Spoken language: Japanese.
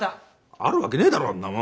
あるわけねえだろんなもん。